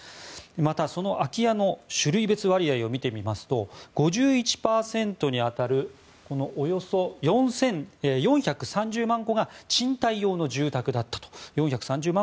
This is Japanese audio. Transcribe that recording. また、その空き家の種類別割合を見てみますと５１％に当たるおよそ４３０万戸が賃貸用の住宅だったと。